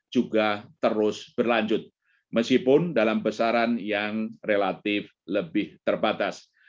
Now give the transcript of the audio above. juga terus berlanjut meskipun dalam besaran yang relatif lebih terbatas